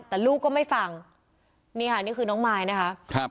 แต่ลูกก็ไม่ฟังนี่ค่ะนี่คือน้องมายนะคะครับ